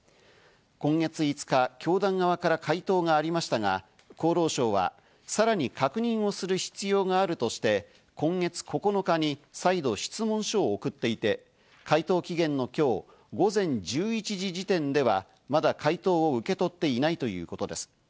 今月５日、教団側から回答がありましたが、厚労省は、さらに確認をする必要があるとして今月９日に再度、質問書を送っていて回答期限の今日、午前１１時時点ではまだ回答を受け取っていないということです。